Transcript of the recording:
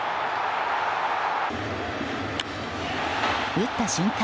打った瞬間